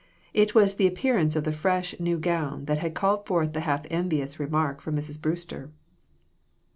It was the appearance of the fresh, new gown that had called forth the half envious remark from Mrs. Brewster.